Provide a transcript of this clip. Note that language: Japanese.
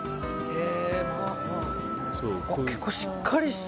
結構しっかりした。